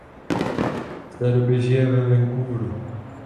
Od té doby žije ve Vancouveru.